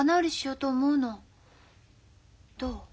どう？